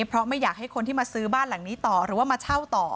เพราะไม่อยากให้คนที่มาซื้อบ้านหลังนี้ต่อหรือว่ามาเช่าต่อ